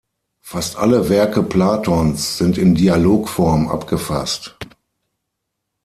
Fast alle Werke Platons sind in Dialogform abgefasst.